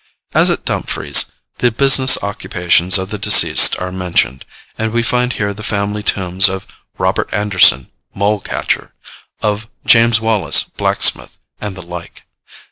As at Dumfries, the business occupations of the deceased are mentioned; and we find here the family tombs of 'Robert Anderson, molecatcher,' of 'James Wallace, blacksmith,' and the like.